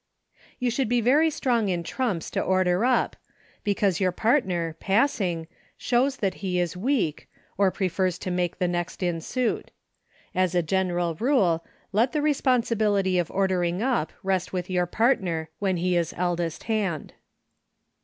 You should be very strong in trumps to order up, because your partner, passing, shows that he is weak, or prefers to make the next in suit. As a general rule let the responsi 124 EUCHRE. bility of ordering up rest with your partner when he is eldest hand.